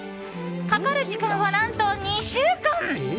かかる時間は、何と２週間！